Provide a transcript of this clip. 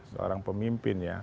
seorang pemimpin ya